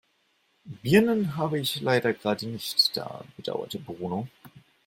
"Birnen habe ich leider gerade nicht da", bedauerte Bruno.